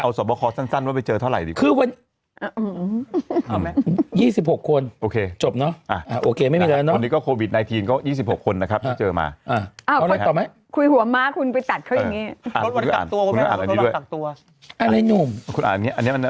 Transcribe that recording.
สอบประคอสั้นว่าไปเจอเท่าไหร่ดี